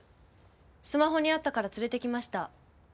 スマホにあったから連れてきました。